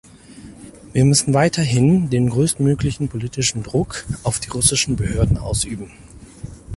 Wir müssen weiterhin den größtmöglichen politischen Druck auf die russischen Behörden ausüben.